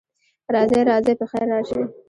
راځئ، راځئ، پخیر راشئ.